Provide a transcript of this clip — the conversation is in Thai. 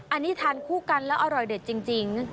อันนี้ทานคู่กันแล้วอร่อยเด็ดจริง